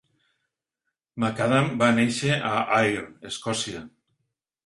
McAdam va néixer a Ayr, Escòcia.